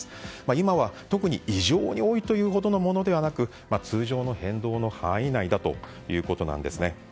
今は、特に異常に多いというほどのものではなく通常の変動の範囲内だということです。